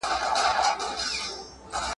نثر مسجع د شعر په شکل کې ښکاري.